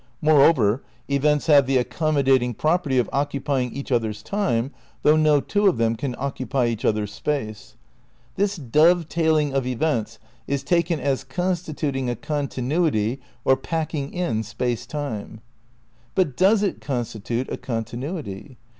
Moreover, events have the accommodating property of occupying each other's time, though no two of them can occupy each other 's space. This dove tailing of events is taken as constituting a continuity or packing in Space Time. But does it constitute a continuity?